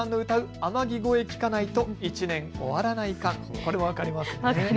これは分かりますね。